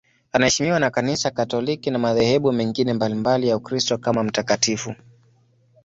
Anaheshimiwa na Kanisa Katoliki na madhehebu mengine mbalimbali ya Ukristo kama mtakatifu.